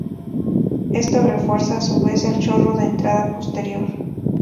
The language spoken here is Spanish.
Esto refuerza a su vez el chorro de entrada posterior.